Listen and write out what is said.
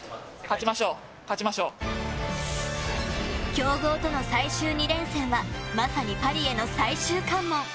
強豪との最終２連戦はまさにパリへの最終関門。